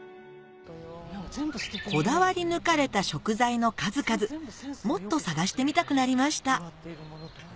こだわり抜かれた食材の数々もっと探してみたくなりました